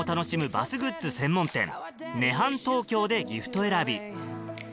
バスグッズ専門店ＮＥＨＡＮＴＯＫＹＯでギフト選び